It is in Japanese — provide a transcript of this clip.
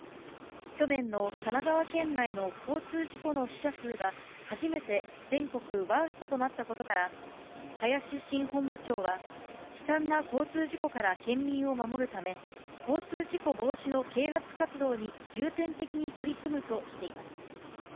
去年の神奈川県内の交通事故の死者数が、初めて全国ワーストとなったことから、林新本部長は、悲惨な交通事故から県民を守るため、交通事故防止の啓発活動に重点的に取り組むとしています。